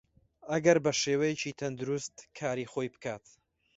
ئەگەر بەشێوەیەکی تەندروست کاری خۆی بکات